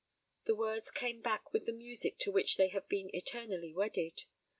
The words came back with the music to which they have been eternally wedded.